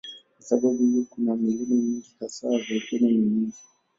Kwa sababu hiyo kuna milima mingi, hasa volkeno ni nyingi.